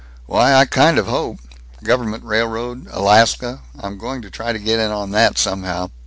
"Why, I kind of hope Government railroad, Alaska. I'm going to try to get in on that, somehow.